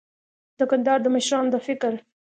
د کندهار د مشرانو د فکر